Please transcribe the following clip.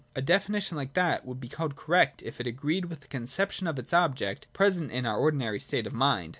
A definition like that would be called correct, if it agreed with the conception of its object present in our ordinary state of mind.